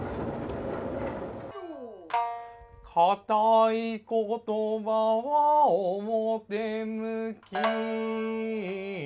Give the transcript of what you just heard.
堅いことばはおもてむき。